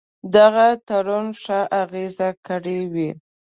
دغه تړون ښه اغېزه کړې وي.